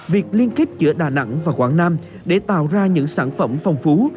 việc liên kết giữa đà nẵng và quảng nam để tạo ra những sản phẩm phong phú